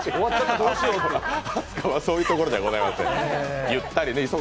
飛鳥はそういうところではございません。